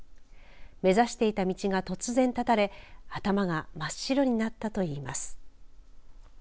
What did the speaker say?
目指していた道が突然絶たれ頭が真っ白になったと言います。